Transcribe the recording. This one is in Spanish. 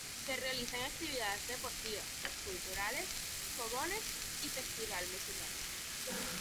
Se realizan actividades deportivas, culturales, fogones y festival musical.